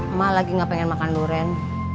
emak lagi gak pengen makan durian